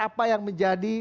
apa yang menjadi